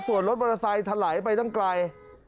ส่วนรถมอเตอร์ไซค์ถลายไปตั้งไกล